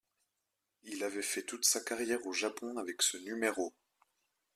Il avait fait toute sa carrière au Japon avec ce numéro.